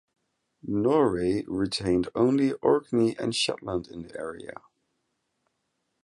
Norway retained only Orkney and Shetland in the area.